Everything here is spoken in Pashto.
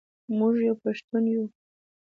موږ یو پښتون یو.